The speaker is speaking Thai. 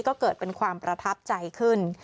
ก็เกิดเป็นความประทับใจขึ้น